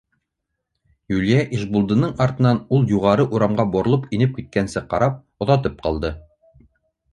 Юлия Ишбулдының артынан ул юғары урамға боролоп инеп киткәнсе ҡарап, оҙатып ҡалды.